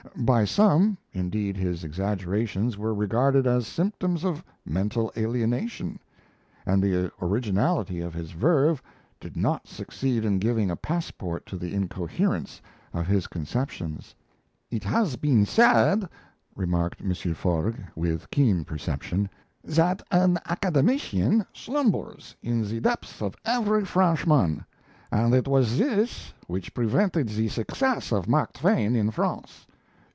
By some, indeed, his exaggerations were regarded as symptoms of mental alienation; and the originality of his verve did not succeed in giving a passport to the incoherence of his conceptions. "It has been said," remarked M. Forgues, with keen perception, "that an academician slumbers in the depths of every Frenchman; and it was this which prevented the success of Mark Twain in France.